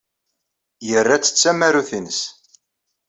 Yerra-tt d tamarut-nnes.